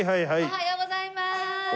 おはようございます。